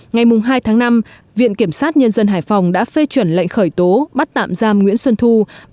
ngày hai tháng năm viện kiểm sát nhân dân hải phòng đã phê chuẩn lệnh khởi tố bắt tạm giam nguyễn xuân thu